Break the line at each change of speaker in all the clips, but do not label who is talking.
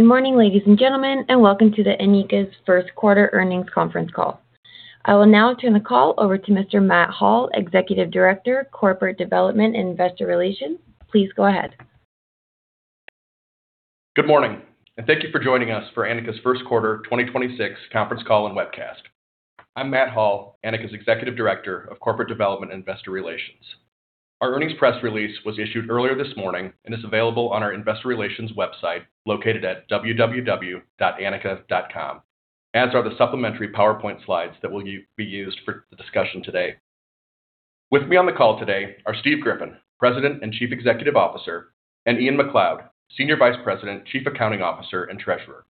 Good morning, ladies and gentlemen, and welcome to the Anika's first quarter earnings conference call. I will now turn the call over to Mr. Matt Hall, Executive Director, Corporate Development and Investor Relations. Please go ahead.
Good morning, thank you for joining us for Anika's 1st quarter 2026 conference call and webcast. I'm Matt Hall, Anika's Executive Director of Corporate Development and Investor Relations. Our earnings press release was issued earlier this morning and is available on our investor relations website located at www.anika.com, as are the supplementary PowerPoint slides that will be used for the discussion today. With me on the call today are Steve Griffin, President and Chief Executive Officer, and Ian McLeod, Senior Vice President, Chief Accounting Officer, and Treasurer.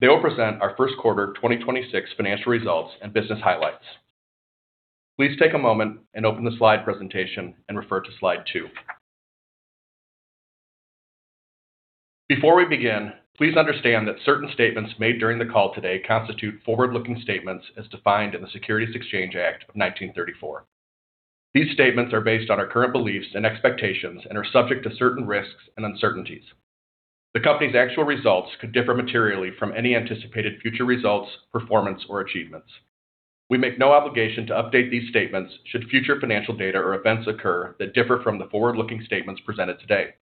They will present our 1st quarter 2026 financial results and business highlights. Please take a moment and open the slide presentation and refer to slide 2. Before we begin, please understand that certain statements made during the call today constitute forward-looking statements as defined in the Securities Exchange Act of 1934. These statements are based on our current beliefs and expectations and are subject to certain risks and uncertainties. The company's actual results could differ materially from any anticipated future results, performance, or achievements. We make no obligation to update these statements should future financial data or events occur that differ from the forward-looking statements presented today.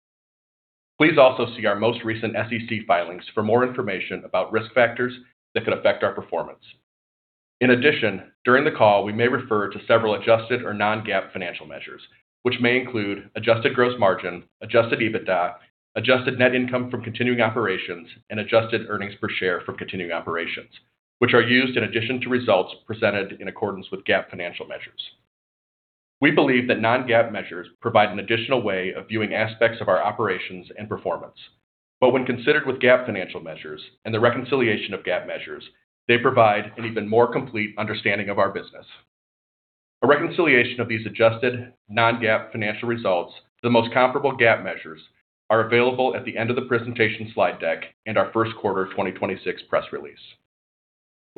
Please also see our most recent SEC filings for more information about risk factors that could affect our performance. In addition, during the call, we may refer to several adjusted or non-GAAP financial measures, which may include adjusted gross margin, adjusted EBITDA, adjusted net income from continuing operations, and adjusted earnings per share from continuing operations, which are used in addition to results presented in accordance with GAAP financial measures. We believe that non-GAAP measures provide an additional way of viewing aspects of our operations and performance. When considered with GAAP financial measures and the reconciliation of GAAP measures, they provide an even more complete understanding of our business. A reconciliation of these adjusted non-GAAP financial results to the most comparable GAAP measures are available at the end of the presentation slide deck and our first quarter 2026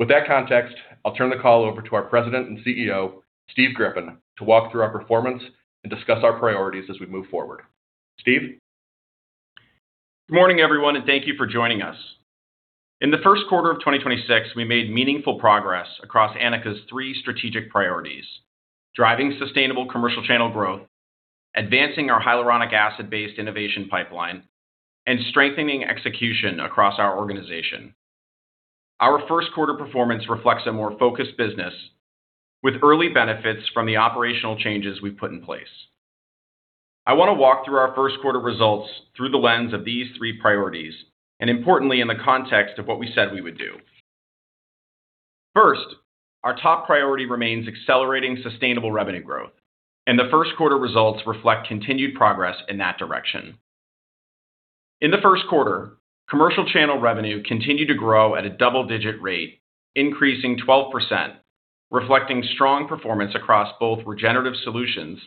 press release. With that context, I'll turn the call over to our President and Chief Executive Officer, Steve Griffin, to walk through our performance and discuss our priorities as we move forward. Steve?
Good morning, everyone, and thank you for joining us. In the first quarter of 2026, we made meaningful progress across Anika's three strategic priorities: driving sustainable commercial channel growth, advancing our hyaluronic acid-based innovation pipeline, and strengthening execution across our organization. Our first quarter performance reflects a more focused business with early benefits from the operational changes we've put in place. I want to walk through our first quarter results through the lens of these three priorities, and importantly, in the context of what we said we would do. First, our top priority remains accelerating sustainable revenue growth, and the first quarter results reflect continued progress in that direction. In the first quarter, commercial channel revenue continued to grow at a double-digit rate, increasing 12%, reflecting strong performance across both Regenerative Solutions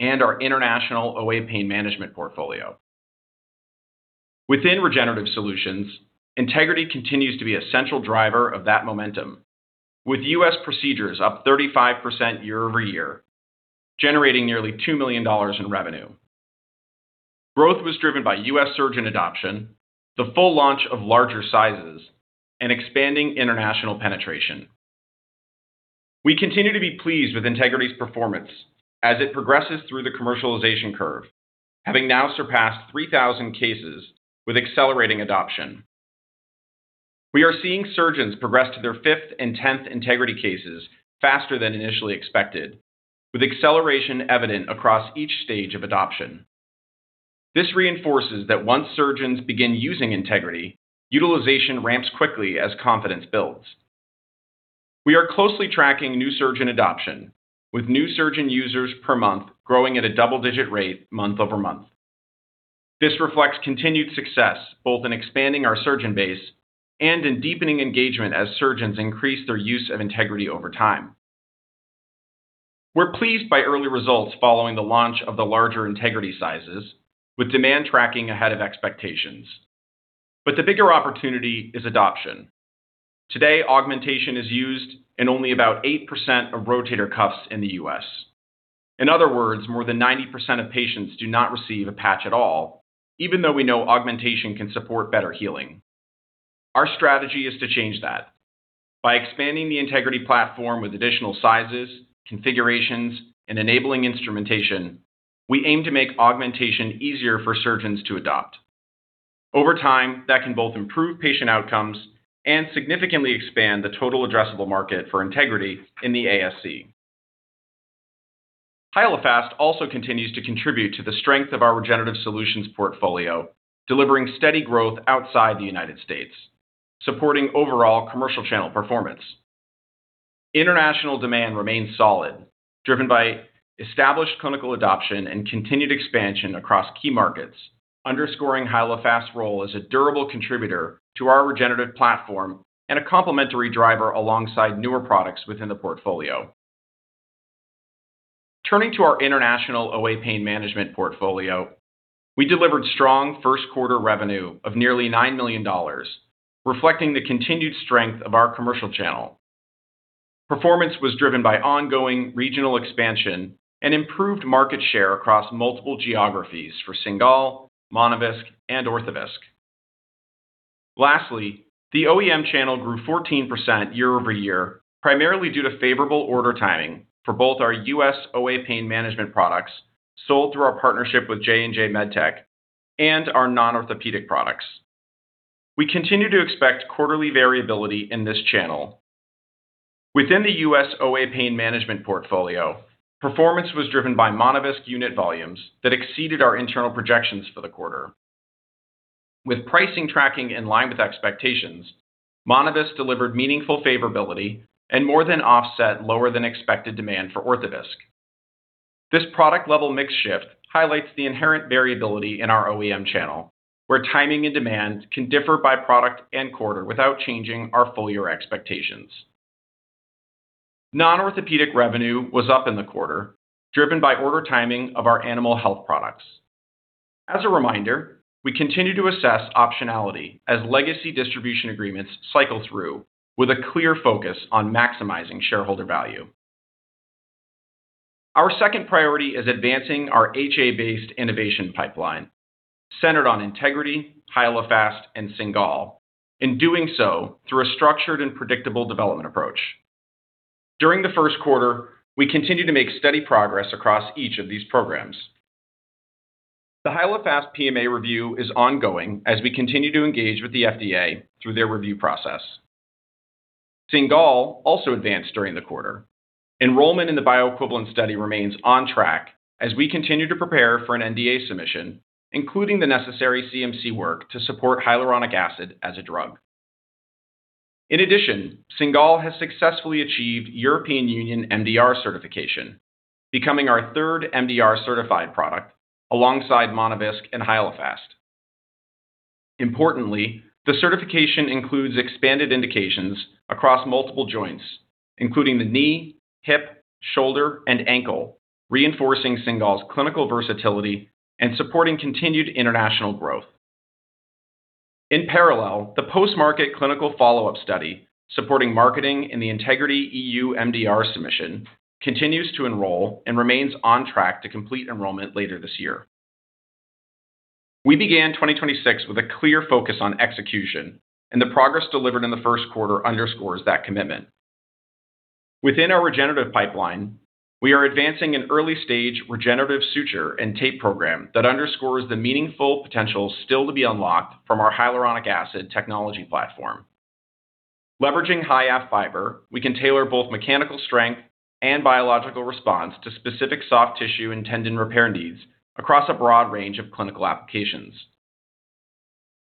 and our international OA pain management portfolio. Within Regenerative Solutions, Integrity continues to be a central driver of that momentum, with U.S. procedures up 35% year-over-year, generating nearly $2 million in revenue. Growth was driven by U.S. surgeon adoption, the full launch of larger sizes, and expanding international penetration. We continue to be pleased with Integrity's performance as it progresses through the commercialization curve, having now surpassed 3,000 cases with accelerating adoption. We are seeing surgeons progress to their fifth and tenth Integrity cases faster than initially expected, with acceleration evident across each stage of adoption. This reinforces that once surgeons begin using Integrity, utilization ramps quickly as confidence builds. We are closely tracking new surgeon adoption, with new surgeon users per month growing at a double-digit rate month-over-month. This reflects continued success both in expanding our surgeon base and in deepening engagement as surgeons increase their use of Integrity over time. We're pleased by early results following the launch of the larger Integrity sizes with demand tracking ahead of expectations. The bigger opportunity is adoption. Today, augmentation is used in only about 8% of rotator cuffs in the U.S. In other words, more than 90% of patients do not receive a patch at all, even though we know augmentation can support better healing. Our strategy is to change that. By expanding the Integrity platform with additional sizes, configurations, and enabling instrumentation, we aim to make augmentation easier for surgeons to adopt. Over time, that can both improve patient outcomes and significantly expand the total addressable market for Integrity in the ASC. Hyalofast also continues to contribute to the strength of our Regenerative Solutions portfolio, delivering steady growth outside the U.S., supporting overall commercial channel performance. International demand remains solid, driven by established clinical adoption and continued expansion across key markets, underscoring Hyalofast's role as a durable contributor to our regenerative platform and a complementary driver alongside newer products within the portfolio. Turning to our international OA pain management portfolio, we delivered strong first quarter revenue of nearly $9 million, reflecting the continued strength of our commercial channel. Performance was driven by ongoing regional expansion and improved market share across multiple geographies for Cingal, Monovisc, and Orthovisc. The OEM channel grew 14% year-over-year, primarily due to favorable order timing for both our U.S. OA pain management products sold through our partnership with J&J MedTech and our non-orthopedic products. We continue to expect quarterly variability in this channel. Within the U.S. OA pain management portfolio, performance was driven by Monovisc unit volumes that exceeded our internal projections for the quarter. With pricing tracking in line with expectations, Monovisc delivered meaningful favorability and more than offset lower than expected demand for Orthovisc. This product level mix shift highlights the inherent variability in our OEM channel, where timing and demand can differ by product and quarter without changing our full year expectations. Non-orthopedic revenue was up in the quarter, driven by order timing of our animal health products. As a reminder, we continue to assess optionality as legacy distribution agreements cycle through with a clear focus on maximizing shareholder value. Our second priority is advancing our HA-based innovation pipeline centered on Integrity, Hyalofast, and Cingal, in doing so through a structured and predictable development approach. During the first quarter, we continued to make steady progress across each of these programs. The Hyalofast PMA review is ongoing as we continue to engage with the FDA through their review process. Cingal also advanced during the quarter. Enrollment in the bioequivalent study remains on track as we continue to prepare for an NDA submission, including the necessary CMC work to support hyaluronic acid as a drug. Cingal has successfully achieved European Union MDR certification, becoming our third MDR certified product alongside Monovisc and Hyalofast. The certification includes expanded indications across multiple joints, including the knee, hip, shoulder, and ankle, reinforcing Cingal's clinical versatility and supporting continued international growth. The post-market clinical follow-up study supporting marketing in the Integrity EU MDR submission continues to enroll and remains on track to complete enrollment later this year. We began 2026 with a clear focus on execution, and the progress delivered in the first quarter underscores that commitment. Within our regenerative pipeline, we are advancing an early stage regenerative suture and tape program that underscores the meaningful potential still to be unlocked from our hyaluronic acid technology platform. Leveraging HYAFF, we can tailor both mechanical strength and biological response to specific soft tissue and tendon repair needs across a broad range of clinical applications.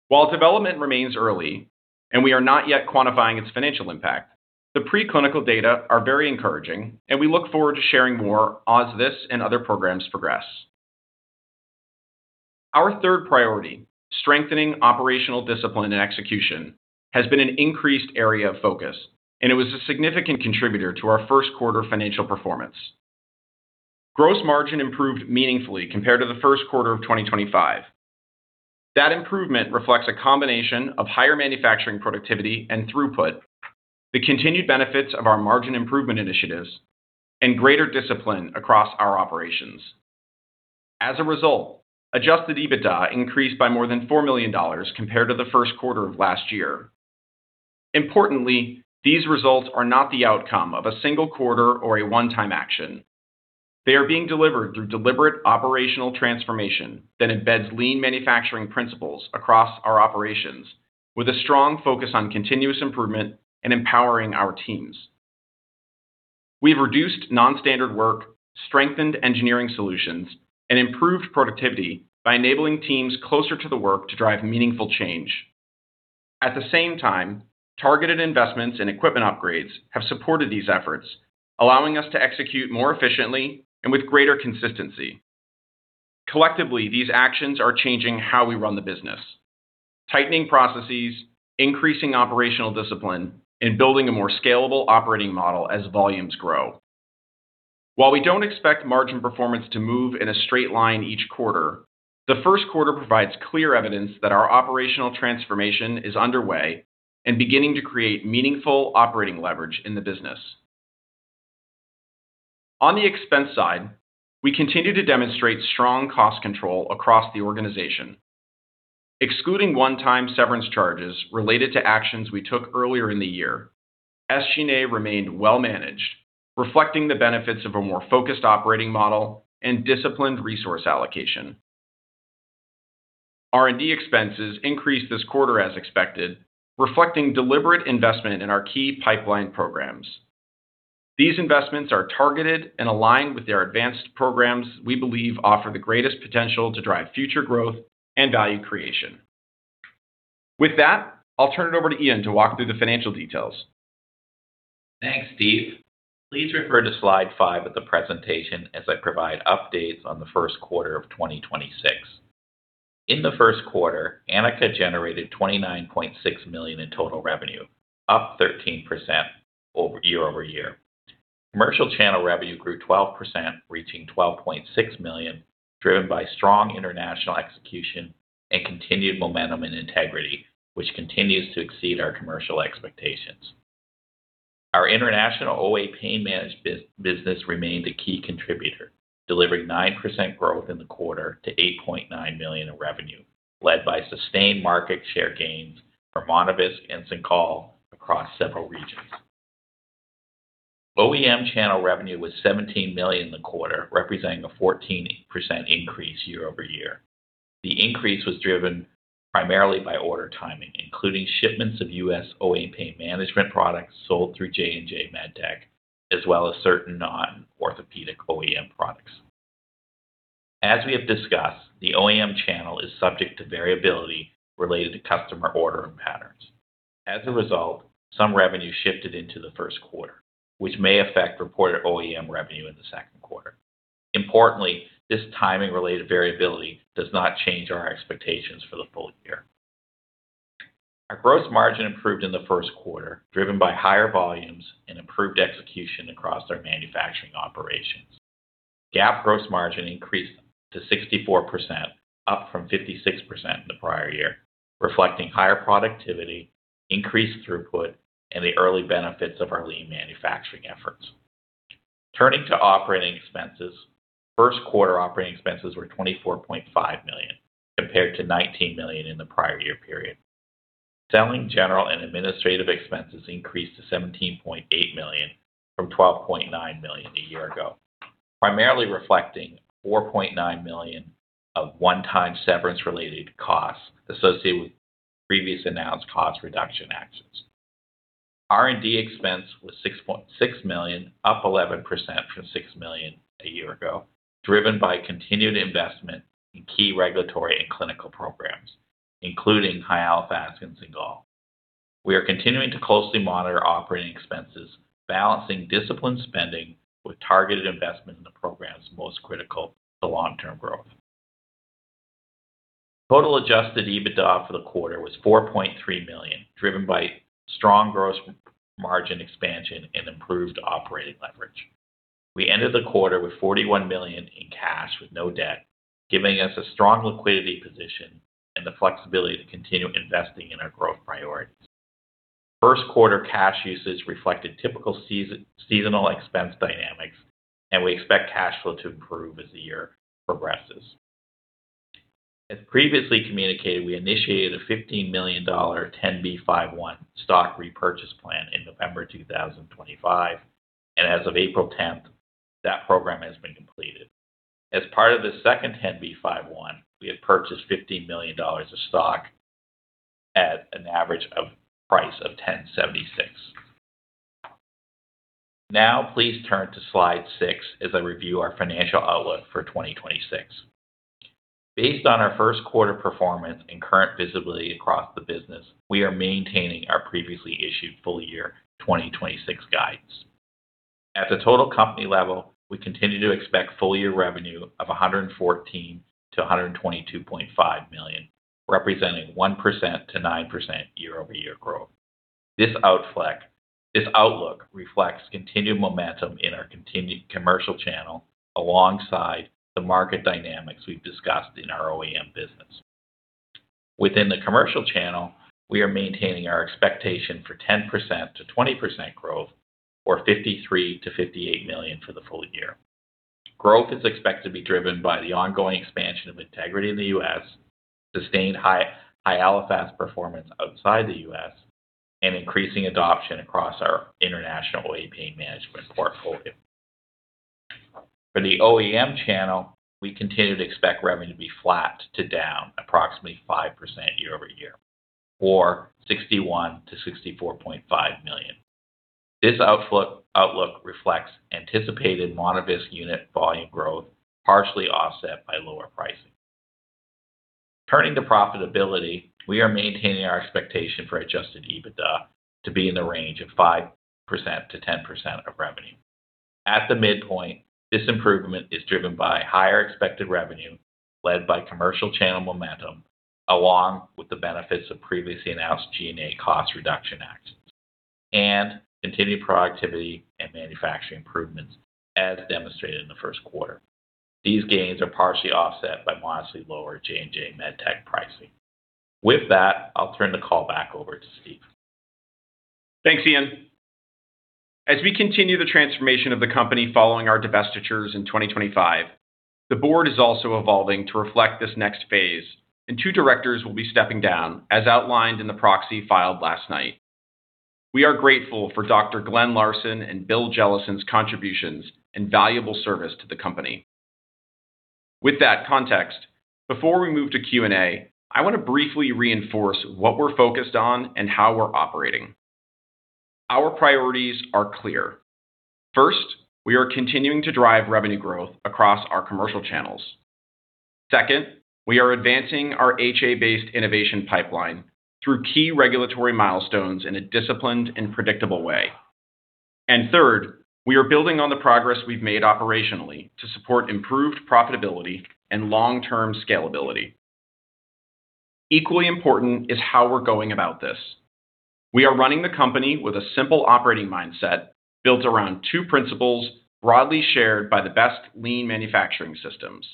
While development remains early, and we are not yet quantifying its financial impact, the preclinical data are very encouraging, and we look forward to sharing more as this and other programs progress. Our third priority, strengthening operational discipline and execution, has been an increased area of focus, and it was a significant contributor to our first quarter financial performance. Gross margin improved meaningfully compared to the first quarter of 2025. That improvement reflects a combination of higher manufacturing productivity and throughput, the continued benefits of our margin improvement initiatives, and greater discipline across our operations. As a result, adjusted EBITDA increased by more than $4 million compared to the first quarter of last year. Importantly, these results are not the outcome of a single quarter or a one-time action. They are being delivered through deliberate operational transformation that embeds lean manufacturing principles across our operations with a strong focus on continuous improvement and empowering our teams. We've reduced non-standard work, strengthened engineering solutions, and improved productivity by enabling teams closer to the work to drive meaningful change. At the same time, targeted investments and equipment upgrades have supported these efforts, allowing us to execute more efficiently and with greater consistency. Collectively, these actions are changing how we run the business, tightening processes, increasing operational discipline, and building a more scalable operating model as volumes grow. While we don't expect margin performance to move in a straight line each quarter, the first quarter provides clear evidence that our operational transformation is underway and beginning to create meaningful operating leverage in the business. On the expense side, we continue to demonstrate strong cost control across the organization. Excluding one-time severance charges related to actions we took earlier in the year, SG&A remained well managed, reflecting the benefits of a more focused operating model and disciplined resource allocation. R&D expenses increased this quarter as expected, reflecting deliberate investment in our key pipeline programs. These investments are targeted and aligned with their advanced programs we believe offer the greatest potential to drive future growth and value creation. With that, I'll turn it over to Ian to walk through the financial details.
Thanks, Steve. Please refer to slide 5 of the presentation as I provide updates on the first quarter of 2026. In the first quarter, Anika generated $29.6 million in total revenue, up 13% year-over-year. Commercial channel revenue grew 12%, reaching $12.6 million, driven by strong international execution and continued momentum and Integrity, which continues to exceed our commercial expectations. Our international OA pain management business remained a key contributor, delivering 9% growth in the quarter to $8.9 million in revenue, led by sustained market share gains for Monovisc and Cingal across several regions. OEM channel revenue was $17 million in the quarter, representing a 14% increase year-over-year. The increase was driven primarily by order timing, including shipments of U.S. OA pain management products sold through J&J MedTech, as well as certain non-orthopedic OEM products. As we have discussed, the OEM channel is subject to variability related to customer order and patterns. As a result, some revenue shifted into the first quarter, which may affect reported OEM revenue in the second quarter. Importantly, this timing-related variability does not change our expectations for the full year. Our gross margin improved in the first quarter, driven by higher volumes and improved execution across our manufacturing operations. GAAP gross margin increased to 64%, up from 56% in the prior year, reflecting higher productivity, increased throughput, and the early benefits of our lean manufacturing efforts. Turning to operating expenses, first quarter operating expenses were $24.5 million compared to $19 million in the prior year period. Selling general and administrative expenses increased to $17.8 million from $12.9 million a year ago, primarily reflecting $4.9 million of one-time severance-related costs associated with previous announced cost reduction actions. R&D expense was $6.6 million, up 11% from $6 million a year ago, driven by continued investment in key regulatory and clinical programs, including Hyalofast and Cingal. We are continuing to closely monitor operating expenses, balancing disciplined spending with targeted investment in the programs most critical to long-term growth. Total adjusted EBITDA for the quarter was $4.3 million, driven by strong gross margin expansion and improved operating leverage. We ended the quarter with $41 million in cash with no debt, giving us a strong liquidity position and the flexibility to continue investing in our growth priorities. First quarter cash usage reflected typical seasonal expense dynamics, and we expect cash flow to improve as the year progresses. As previously communicated, we initiated a $15 million 10b5-1 stock repurchase plan in November 2025, and as of April 10th, that program has been completed. As part of the second 10b5-1, we had purchased $15 million of stock at an average price of $10.76. Please turn to Slide 6 as I review our financial outlook for 2026. Based on our first quarter performance and current visibility across the business, we are maintaining our previously issued full year 2026 guidance. At the total company level, we continue to expect full year revenue of $114 million to $122.5 million, representing 1%-9% year-over-year growth. This outlook reflects continued momentum in our continued commercial channel alongside the market dynamics we've discussed in our OEM business. Within the commercial channel, we are maintaining our expectation for 10%-20% growth or $53 million-$58 million for the full year. Growth is expected to be driven by the ongoing expansion of Integrity in the U.S., sustained high Hyalofast performance outside the U.S., and increasing adoption across our international OA pain management portfolio. For the OEM channel, we continue to expect revenue to be flat to down approximately 5% year-over-year or $61 million-$64.5 million. This outlook reflects anticipated Monovisc unit volume growth, partially offset by lower pricing. Turning to profitability, we are maintaining our expectation for adjusted EBITDA to be in the range of 5%-10% of revenue. At the midpoint, this improvement is driven by higher expected revenue led by commercial channel momentum along with the benefits of previously announced G&A cost reduction actions and continued productivity and manufacturing improvements as demonstrated in the first quarter. These gains are partially offset by modestly lower J&J MedTech pricing. With that, I'll turn the call back over to Steve.
Thanks, Ian. As we continue the transformation of the company following our divestitures in 2025, the board is also evolving to reflect this next phase, and two directors will be stepping down, as outlined in the proxy filed last night. We are grateful for Dr. Glenn R. Larsen and William Jellison's contributions and valuable service to the company. With that context, before we move to Q&A, I want to briefly reinforce what we're focused on and how we're operating. Our priorities are clear. First, we are continuing to drive revenue growth across our commercial channels. Second, we are advancing our HA-based innovation pipeline through key regulatory milestones in a disciplined and predictable way. Third, we are building on the progress we've made operationally to support improved profitability and long-term scalability. Equally important is how we're going about this. We are running the company with a simple operating mindset built around two principles broadly shared by the best lean manufacturing systems.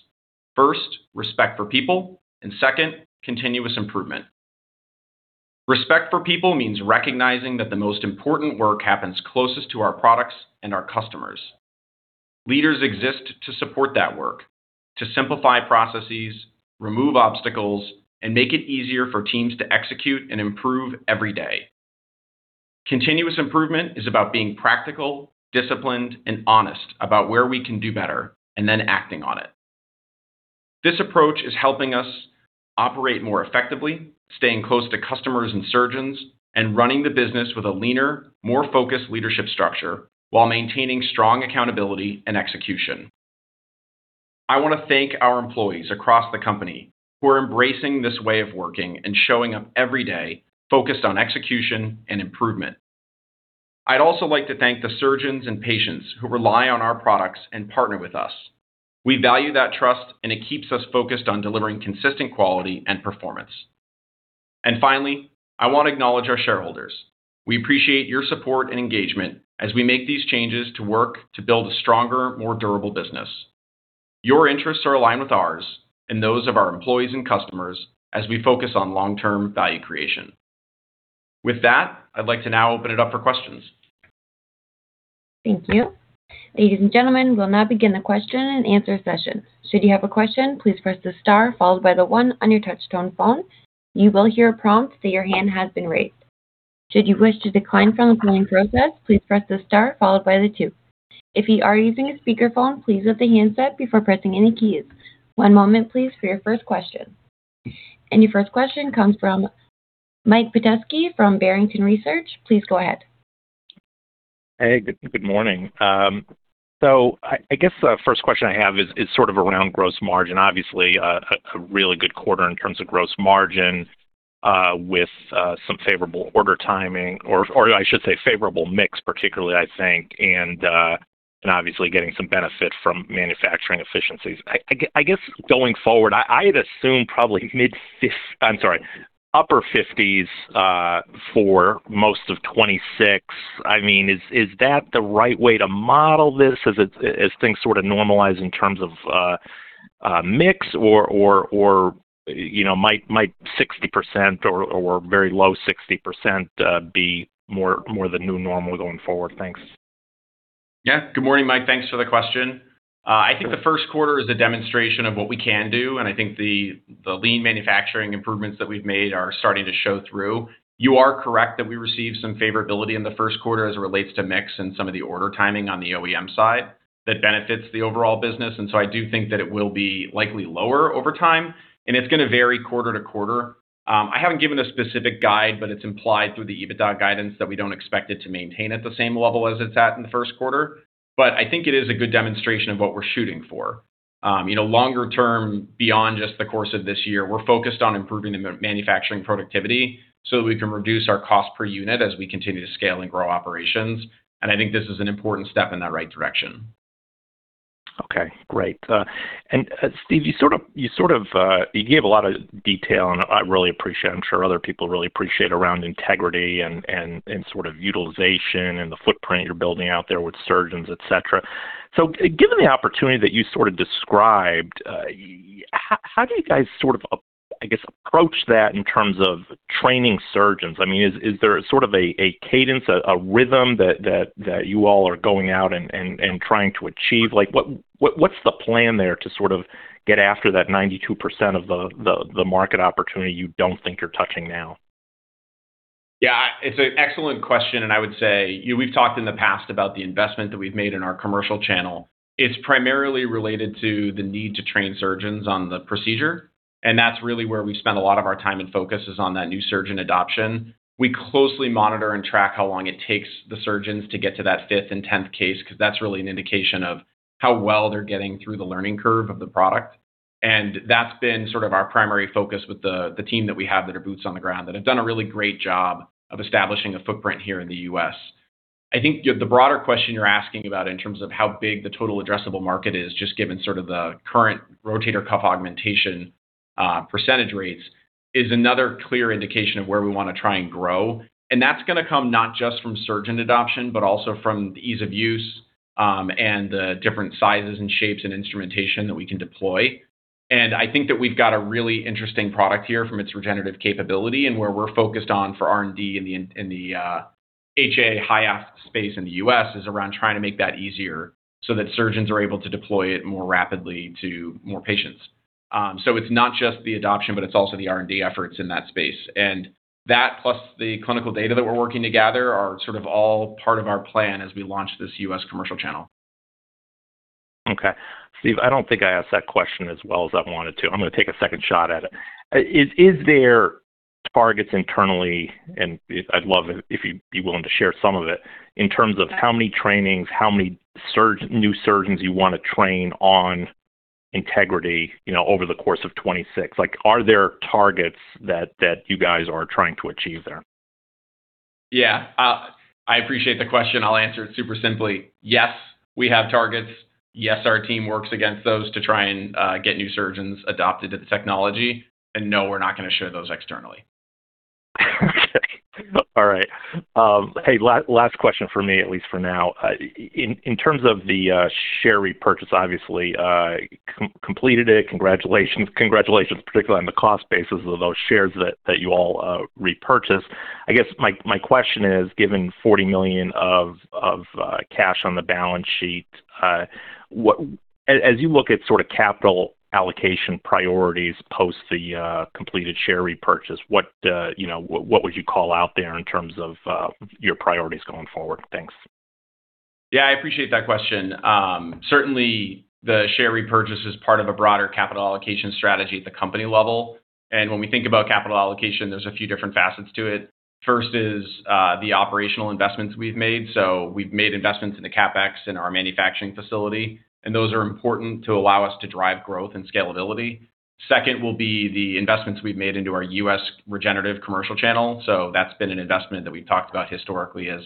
First, respect for people, and second, continuous improvement. Respect for people means recognizing that the most important work happens closest to our products and our customers. Leaders exist to support that work, to simplify processes, remove obstacles, and make it easier for teams to execute and improve every day. Continuous improvement is about being practical, disciplined, and honest about where we can do better, and then acting on it. This approach is helping us operate more effectively, staying close to customers and surgeons, and running the business with a leaner, more focused leadership structure while maintaining strong accountability and execution. I want to thank our employees across the company who are embracing this way of working and showing up every day focused on execution and improvement. I'd also like to thank the surgeons and patients who rely on our products and partner with us. We value that trust, and it keeps us focused on delivering consistent quality and performance. Finally, I want to acknowledge our shareholders. We appreciate your support and engagement as we make these changes to work to build a stronger, more durable business. Your interests are aligned with ours and those of our employees and customers as we focus on long-term value creation. With that, I'd like to now open it up for questions.
Thank you. Ladies and gentlemen, we'll now begin the question and answer session. Your first question comes from Michael Petusky from Barrington Research. Please go ahead.
Hey, good morning. I guess the first question I have is sort of around gross margin. Obviously, a really good quarter in terms of gross margin, with some favorable order timing or I should say favorable mix particularly, I think, and obviously getting some benefit from manufacturing efficiencies. I guess going forward, I'd assume probably mid-50s, I'm sorry, upper 50s, for most of 2026. I mean, is that the right way to model this as things sort of normalize in terms of mix or, you know, might 60% or very low 60% be more the new normal going forward? Thanks.
Good morning, Mike. Thanks for the question. I think the first quarter is a demonstration of what we can do, and I think the lean manufacturing improvements that we've made are starting to show through. You are correct that we received some favorability in the first quarter as it relates to mix and some of the order timing on the OEM side that benefits the overall business. I do think that it will be likely lower over time, and it's gonna vary quarter to quarter. I haven't given a specific guide, but it's implied through the EBITDA guidance that we don't expect it to maintain at the same level as it's at in the first quarter. I think it is a good demonstration of what we're shooting for. You know, longer term, beyond just the course of this year, we're focused on improving the manufacturing productivity so that we can reduce our cost per unit as we continue to scale and grow operations. I think this is an important step in that right direction.
Okay. Great. Steve, you sort of, you gave a lot of detail, and I really appreciate, I'm sure other people really appreciate around Integrity and sort of utilization and the footprint you're building out there with surgeons, et cetera. Given the opportunity that you sort of described, how do you guys sort of, I guess, approach that in terms of training surgeons? I mean, is there sort of a cadence, a rhythm that you all are going out and trying to achieve? Like, what's the plan there to sort of get after that 92% of the market opportunity you don't think you're touching now?
Yeah. It's an excellent question, and I would say, you know, we've talked in the past about the investment that we've made in our commercial channel. It's primarily related to the need to train surgeons on the procedure, and that's really where we spend a lot of our time and focus is on that new surgeon adoption. We closely monitor and track how long it takes the surgeons to get to that fifth and tenth case because that's really an indication of how well they're getting through the learning curve of the product. That's been sort of our primary focus with the team that we have that are boots on the ground, that have done a really great job of establishing a footprint here in the U.S. I think the broader question you're asking about in terms of how big the total addressable market is just given sort of the current rotator cuff augmentation % rates is another clear indication of where we want to try and grow. That's gonna come not just from surgeon adoption, but also from the ease of use, and the different sizes and shapes and instrumentation that we can deploy. I think that we've got a really interesting product here from its regenerative capability and where we're focused on for R&D in the HA space in the U.S., is around trying to make that easier so that surgeons are able to deploy it more rapidly to more patients. It's not just the adoption, but it's also the R&D efforts in that space. That plus the clinical data that we're working to gather are sort of all part of our plan as we launch this U.S., commercial channel.
Okay. Steve, I don't think I asked that question as well as I wanted to. I'm gonna take a second shot at it. Is there targets internally, and I'd love it if you'd be willing to share some of it, in terms of how many trainings, how many new surgeons you wanna train on Integrity, you know, over the course of 2026? Like, are there targets that you guys are trying to achieve there?
Yeah. I appreciate the question. I'll answer it super simply. Yes, we have targets. Yes, our team works against those to try and get new surgeons adopted to the technology. No, we're not gonna share those externally.
All right. Hey, last question from me, at least for now. In terms of the share repurchase, obviously, completed it, congratulations. Congratulations particularly on the cost basis of those shares that you all repurchased. I guess my question is, given $40 million of cash on the balance sheet, as you look at sort of capital allocation priorities post the completed share repurchase, what, you know, would you call out there in terms of your priorities going forward? Thanks.
I appreciate that question. Certainly the share repurchase is part of a broader capital allocation strategy at the company level. When we think about capital allocation, there's a few different facets to it. First is the operational investments we've made. We've made investments in the CapEx in our manufacturing facility, and those are important to allow us to drive growth and scalability. Second will be the investments we've made into our U.S. Regenerative commercial channel. That's been an investment that we've talked about historically as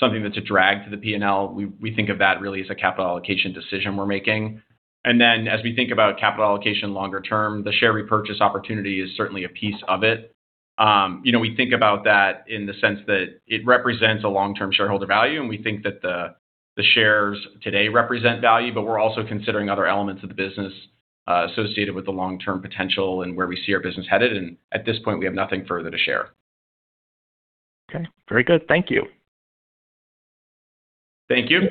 something that's a drag to the P&L. We think of that really as a capital allocation decision we're making. As we think about capital allocation longer term, the share repurchase opportunity is certainly a piece of it. you know, we think about that in the sense that it represents a long-term shareholder value, and we think that the shares today represent value, but we're also considering other elements of the business associated with the long-term potential and where we see our business headed. At this point, we have nothing further to share.
Okay. Very good. Thank you.
Thank you.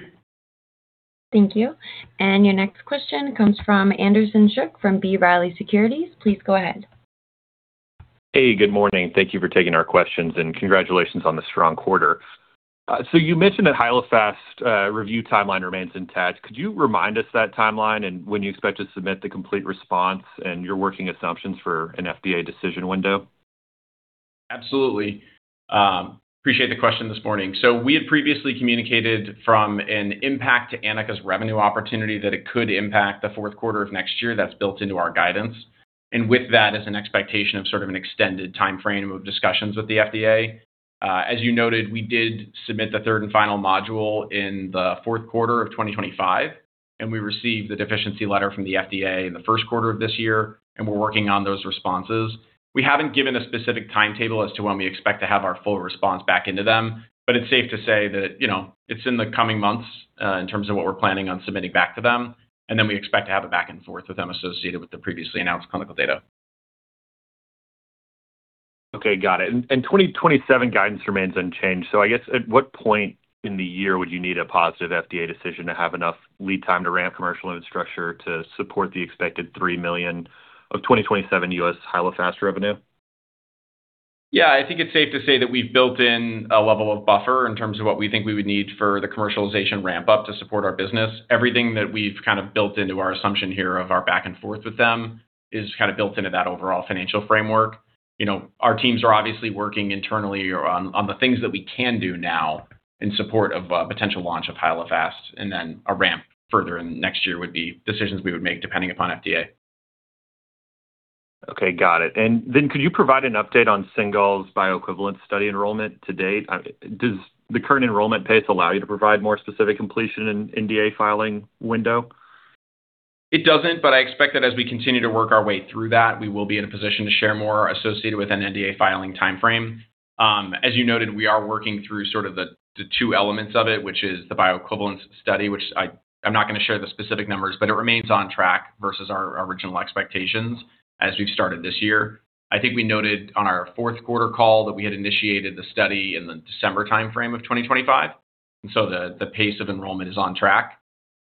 Thank you. Your next question comes from Anderson Schock from B. Riley Securities. Please go ahead.
Hey, good morning. Thank you for taking our questions, and congratulations on the strong quarter. You mentioned that Hyalofast review timeline remains intact. Could you remind us that timeline and when you expect to submit the complete response and your working assumptions for an FDA decision window?
Absolutely. Appreciate the question this morning. We had previously communicated from an impact to Anika's revenue opportunity that it could impact the fourth quarter of next year. That's built into our guidance. With that is an expectation of sort of an extended timeframe of discussions with the FDA. As you noted, we did submit the third and final module in the fourth quarter of 2025, and we received the deficiency letter from the FDA in the first quarter of this year, and we're working on those responses. We haven't given a specific timetable as to when we expect to have our full response back into them, but it's safe to say that, you know, it's in the coming months, in terms of what we're planning on submitting back to them, and then we expect to have a back and forth with them associated with the previously announced clinical data.
Okay, got it. Guidance remains unchanged. I guess, at what point in the year would you need a positive FDA decision to have enough lead time to ramp commercial infrastructure to support the expected $3 million of 2027 U.S. Hyalofast revenue?
Yeah, I think it's safe to say that we've built in a level of buffer in terms of what we think we would need for the commercialization ramp up to support our business. Everything that we've kind of built into our assumption here of our back and forth with them is kinda built into that overall financial framework. You know, our teams are obviously working internally on the things that we can do now in support of a potential launch of Hyalofast, and then a ramp further in next year would be decisions we would make depending upon FDA.
Okay, got it. Could you provide an update on Cingal's bioequivalent study enrollment to date? Does the current enrollment pace allow you to provide more specific completion in NDA filing window?
It doesn't, but I expect that as we continue to work our way through that, we will be in a position to share more associated with an NDA filing timeframe. As you noted, we are working through sort of the two elements of it, which is the bioequivalence study, which I'm not gonna share the specific numbers, but it remains on track versus our original expectations as we've started this year. I think we noted on our fourth quarter call that we had initiated the study in the December timeframe of 2025, the pace of enrollment is on track.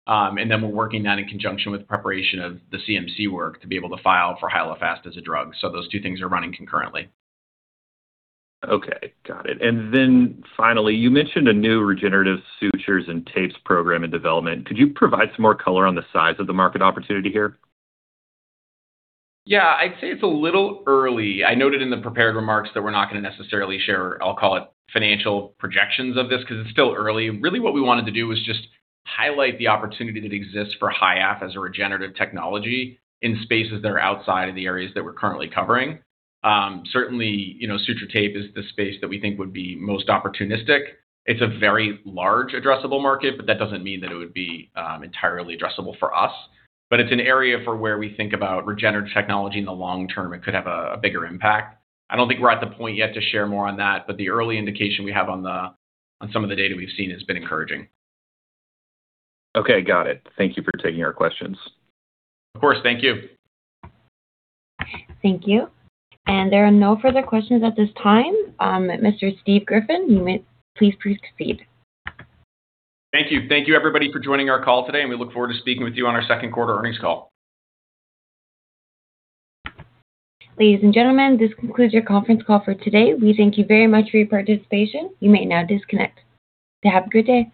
Then we're working that in conjunction with the preparation of the CMC work to be able to file for Hyalofast as a drug. Those two things are running concurrently.
Okay, got it. Finally, you mentioned a new regenerative sutures and tapes program in development. Could you provide some more color on the size of the market opportunity here?
Yeah. I'd say it's a little early. I noted in the prepared remarks that we're not gonna necessarily share, I'll call it, financial projections of this because it's still early. Really, what we wanted to do was just highlight the opportunity that exists for Hyaff as a regenerative technology in spaces that are outside of the areas that we're currently covering. Certainly, you know, suture tape is the space that we think would be most opportunistic. It's a very large addressable market, but that doesn't mean that it would be entirely addressable for us. It's an area for where we think about regenerative technology in the long term, it could have a bigger impact. I don't think we're at the point yet to share more on that, but the early indication we have on some of the data we've seen has been encouraging.
Okay, got it. Thank you for taking our questions.
Of course. Thank you.
Thank you. There are no further questions at this time. Mr. Steve Griffin, you may please proceed.
Thank you. Thank you everybody for joining our call today. We look forward to speaking with you on our second quarter earnings call.
Ladies and gentlemen, this concludes your conference call for today. We thank you very much for your participation. You may now disconnect. Have a good day.